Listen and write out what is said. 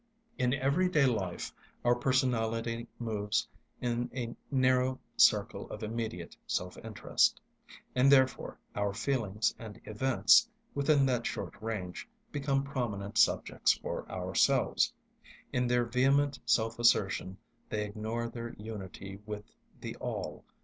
In everyday life our personality moves in a narrow circle of immediate self interest. And therefore our feelings and events, within that short range, become prominent subjects for ourselves. In their vehement self assertion they ignore their unity with the All.